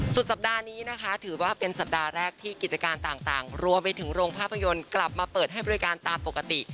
สุดสัปดาห์นี้นะคะถือว่าเป็นสัปดาห์แรกที่กิจการต่างรวมไปถึงโรงภาพยนตร์กลับมาเปิดให้บริการตามปกติ